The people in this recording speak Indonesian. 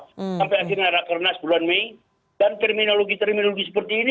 sampai akhirnya rakernas bulan mei dan terminologi terminologi seperti ini